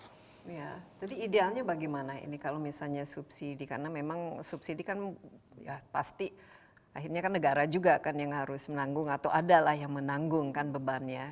jadi idealnya bagaimana ini kalau misalnya subsidi karena memang subsidi kan ya pasti akhirnya kan negara juga kan yang harus menanggung atau adalah yang menanggung kan bebannya